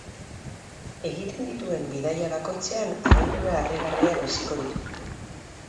Egiten duen bidaia bakoitzean abentura harrigarriak biziko ditu.